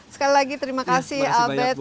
sekali lagi terima kasih albert